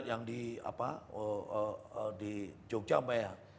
yang di jogja mbak ya